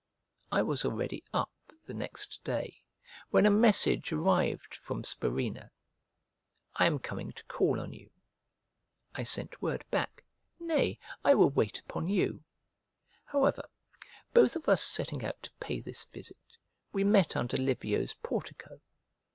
I was already up, the next day, when a message arrived from Spurinna, "I am coming to call on you." I sent word back, "Nay, I will wait upon you;" however, both of us setting out to pay this visit, we met under Livia's portico.